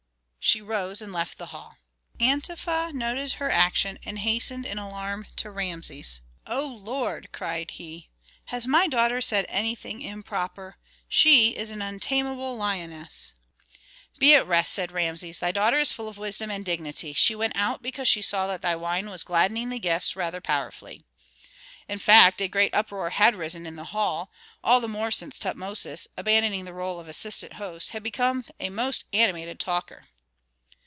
She rose and left the hall. Antefa noted her action and hastened in alarm to Rameses. "O lord!" cried he, "has my daughter said anything improper? She is an untamable lioness!" "Be at rest," said Rameses. "Thy daughter is full of wisdom and dignity. She went out because she saw that thy wine was gladdening the guests rather powerfully." In fact a great uproar had risen in the hall, all the more since Tutmosis, abandoning the rôle of assistant host, had become a most animated talker.